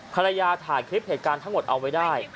ภรรยาถ่ายคลิปเหตุการณ์ทั้งหมดเอาไว้ได้